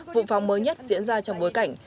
vụ phóng mới nhất diễn ra trong bối cảnh